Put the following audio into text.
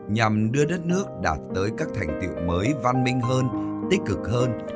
nhằm đưa đất nước đạt tới các thành tiệu mới văn minh hơn tích cực hơn